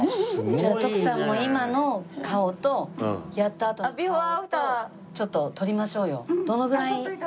じゃあ徳さんも今の顔とやったあとの顔とちょっと撮りましょうよ。